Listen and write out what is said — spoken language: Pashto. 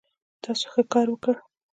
تاسو ښه کار وکړ